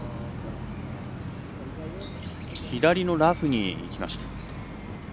左のラフにいきました。